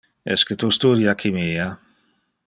Esque tu studia chimia?